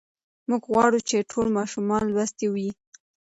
موږ غواړو چې ټول ماشومان لوستي وي.